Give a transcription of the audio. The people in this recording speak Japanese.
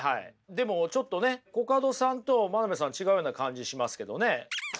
でもちょっとねコカドさんと真鍋さん違うような感じしますけどね。